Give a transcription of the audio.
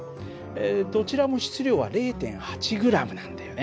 どちらも質量は０．８ｇなんだよね。